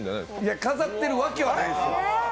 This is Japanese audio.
飾ってるわけはないんです。